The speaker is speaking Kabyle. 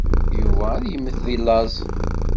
Yuba ad yemmet deg llaẓ.